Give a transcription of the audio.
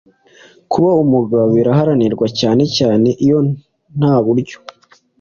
Kuba umugabo biraharanirwa cyane cyane iyo ntaburyo